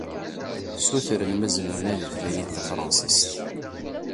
Ssutren ma zemren ad utlayen tafṛansist.